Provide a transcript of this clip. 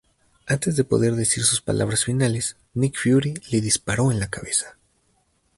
Antes de poder decir sus palabras finales, Nick Fury le disparó en la cabeza.